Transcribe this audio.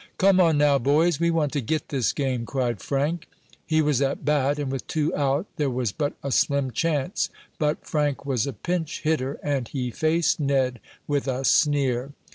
"Come on now, boys, we want to get this game!" cried Frank. He was at bat, and with two out, there was but a slim chance. But Frank was a pinch hitter, and he faced Ned with a sneer.